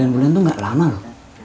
sembilan bulan itu gak lama loh